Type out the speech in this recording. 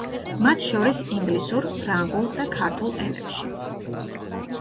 მათ შორის ინგლისურ, ფრანგულ და ქართულ ენებში.